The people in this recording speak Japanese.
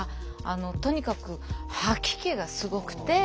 とにかく吐き気がすごくて。